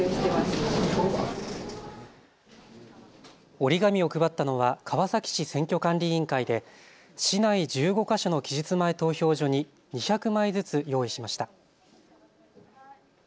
折り紙を配ったのは川崎市選挙管理委員会で市内１５か所の期日前投票所に２００枚ずつ用意しました。